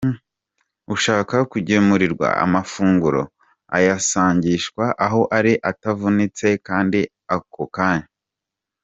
Ushaka kugemurirwa amafunguro ayasangishwa aho ari atavunitse kandi ako kanya.